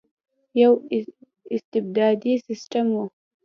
یو استبدادي سسټم وو.